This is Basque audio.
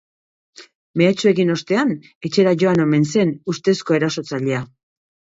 Mehatxu egin ostean etxera joan omen zen ustezko erasotzailea.